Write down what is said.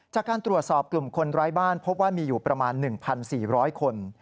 จากการตรวจสอบกลุ่มคนไร้บ้านพบว่ามีอยู่ประมาณ๑๔๐๐คน